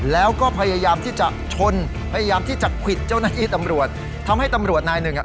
แล้วก็พยายามที่จะชนพยายามที่จะควิดเจ้าหน้าที่ตำรวจทำให้ตำรวจนายหนึ่งอ่ะ